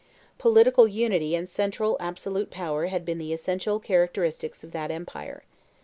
Political unity and central absolute power had been the essential characteristics of that empire.